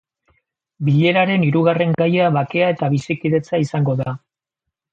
Bileraren hirugarren gaia bakea eta bizikidetza izango da.